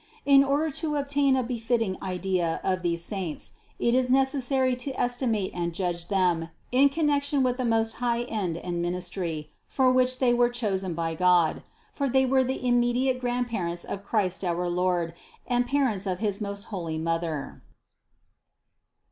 In order to obtain a befitting idea of these saints, it is necessary to estimate and judge them in connection with the most high end and ministry, for which they were chosen by God; for they were the immediate grandparents of Christ our Lord, and par ents of his most holy Mother.